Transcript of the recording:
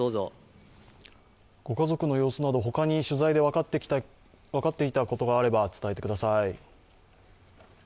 ご家族の様子などほかに取材で分かっていたことがあれば伝えてください。